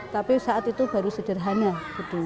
tapi saat itu baru sederhana gedung ini